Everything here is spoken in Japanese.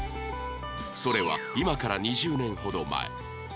それは今から２０年ほど前